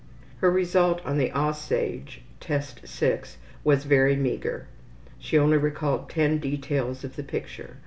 Her result on the ``Aussage'' (Test VI) was very meager. She only recalled 10 details of the picture.